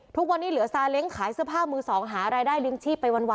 ทุกวันนี้เหลือซาเล้งขายเสื้อผ้ามือสองหารายได้เลี้ยงชีพไปวัน